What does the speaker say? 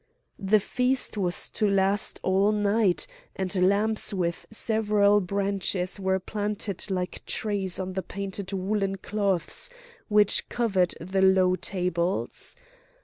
The feast was to last all night, and lamps with several branches were planted like trees on the painted woollen cloths which covered the low tables.